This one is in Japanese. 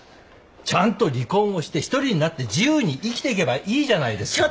ちゃんと離婚をして一人になって自由に生きていけばいいじゃないですか。